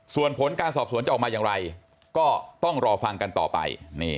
ส่วนผลการสอบสวนจะออกมาอย่างไรก็ต้องรอฟังกันต่อไป